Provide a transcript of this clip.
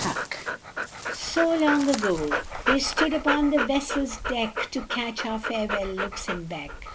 45 SO LONG AGO. HEY stood upon the vessel s deck To catch our farewell look and beck.